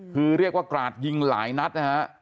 คือเรียกว่ากราดยิงหลายนัดนะฮะ